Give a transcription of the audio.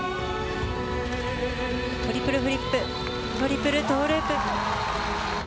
トリプルフリップトリプルトウループ。